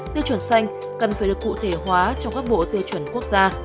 tiêu chuẩn xanh cần phải được cụ thể hóa trong các bộ tiêu chuẩn quốc gia